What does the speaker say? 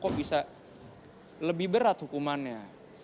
kok bisa lebih berat hukumannya